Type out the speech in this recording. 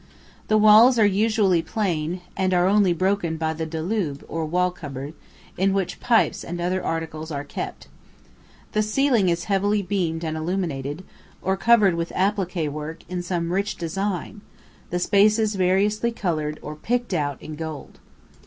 The walls are usually plain, and are only broken by the "dulab," or wall cupboard, in which pipes and other articles are kept. The ceiling is heavily beamed and illuminated, or covered with appliqué work in some rich design, the spaces variously coloured or picked out in gold.